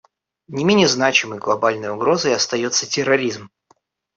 Не менее значимой глобальной угрозой остается терроризм.